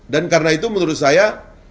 dan karena itu menurut saya